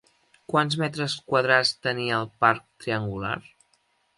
Quants metres quadrats tenia el parc triangular?